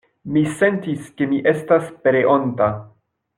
Mi sentis, ke mi estas pereonta.